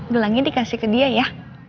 gelangnya dikasih ke dia ya